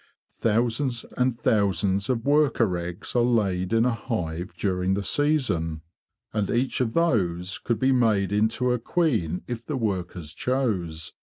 Thousands and thousands of worker eggs are laid in a hive during the season, and each of those could be made into G 98 THE BEE MASTER OF WARRILOW a queen if the workers chose.